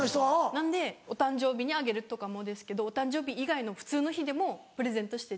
なのでお誕生日にあげるとかもですけどお誕生日以外の普通の日でもプレゼントしてて。